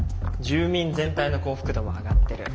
住民全体の幸福度も上がってる。